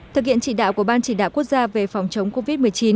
thực hiện chỉ đạo của ban chỉ đạo quốc gia về phòng chống covid một mươi chín